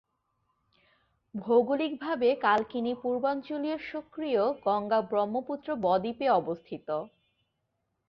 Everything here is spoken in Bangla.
ভৌগোলিক ভাবে কালকিনি পূর্বাঞ্চলীয় সক্রিয় গঙ্গা-ব্রহ্মপুত্র বদ্বীপে অবস্থিত।